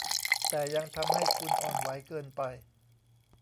แต่ยังทำให้คุณอ่อนไหวเกินไป